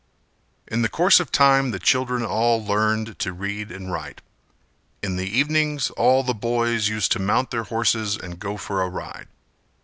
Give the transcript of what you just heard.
In the course of time the children all learned to read and write. In the evenings all the boys used to mount their horses and go for a ride.